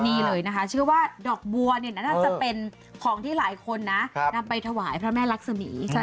นี่เลยนะคะเชื่อว่าดอกบัวเนี่ยน่าจะเป็นของที่หลายคนนะนำไปถวายพระแม่รักษมี